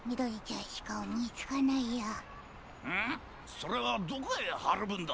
それはどこへはるぶんだ？